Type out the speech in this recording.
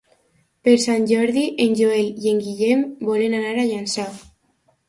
Per Sant Jordi en Joel i en Guillem volen anar a Llançà.